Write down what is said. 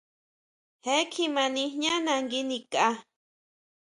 Jee kjima nijñana ngui nikʼa.